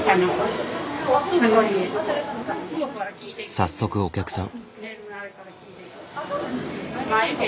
早速お客さん。